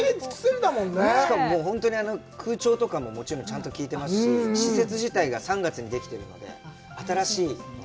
しかも本当に空調とかもちゃんと効いてますし、施設自体が３月にできているので、新しいんで。